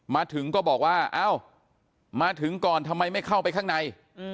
มาถึงก็บอกว่าเอ้ามาถึงก่อนทำไมไม่เข้าไปข้างใน